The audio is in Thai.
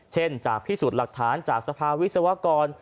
จากพิสูจน์หลักฐานจากสภาวิศวกร